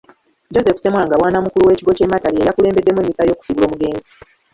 Joseph Ssemwanga bwannamukulu w’ekigo ky’e Matale ye yakulembeddemu emmisa y’okusiibula omugenzi.